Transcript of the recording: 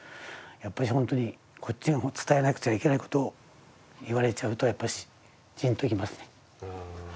やっぱし本当にこっちが伝えなくちゃいけないことを言われちゃうとやっぱしじんと来ますね。